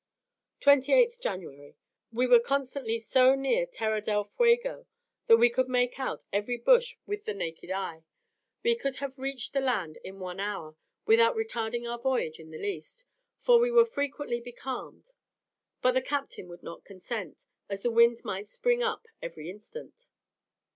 28th January. We were constantly so near Terra del Fuego that we could make out every bush with the naked eye. We could have reached the land in an hour, without retarding our voyage in the least, for we were frequently becalmed; but the captain would not consent, as the wind might spring up every instant.